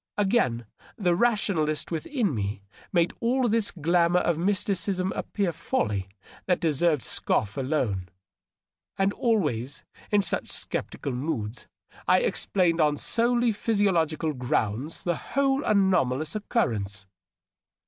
.. Again, the rationalist within me made all this glamour of mysticism appear folly that deserved scoff alone ; and always, in such sceptical moods, I explained on solely phys iological grounds the whole anomalous occurrence.